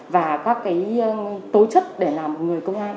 và các cái tố chất để làm người công an